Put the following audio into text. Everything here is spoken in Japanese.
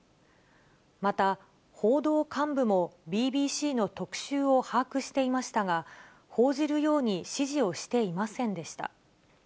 また、報道幹部もＢＢＣの特集を把握していましたが、報じるように指示をしていませんでした。